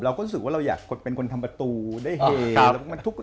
รู้สึกว่าเราอยากเป็นคนทำประตูได้เห็น